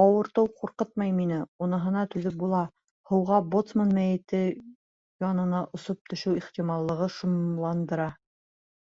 Ауыртыу ҡурҡытмай мине, уныһына түҙеп була, һыуға, боцман мәйете янына осоп төшөү ихтималлығы шомландыра.